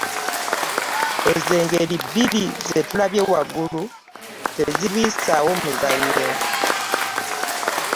Ezo engeri ebbiri ze tulabye waggulu tezirwisaawo muzannyo.